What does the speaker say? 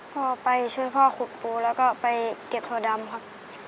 พ่อไปช่วยพ่อขุดปูแล้วก็ไปเก็บถั่วดำครับ